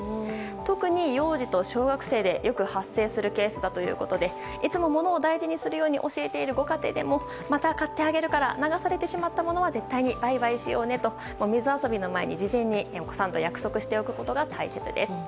特に幼児と小学生でよく発生するケースだということでいつも物を大事にするように教えているご家庭でもまた、買ってあげるから流されてしまったものは絶対にバイバイしようねと水遊びの前にお子さんと約束しておくことが大切です。